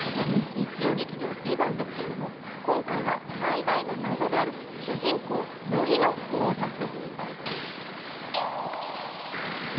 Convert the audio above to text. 日曜劇場「ＶＩＶＡＮＴ」ですけれども、今回は最大の謎である主人公・乃木の考察です。